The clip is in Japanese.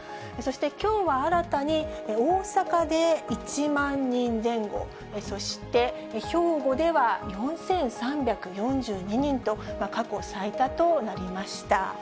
そしてきょうは新たに大阪で１万人前後、そして兵庫では４３４２人と、過去最多となりました。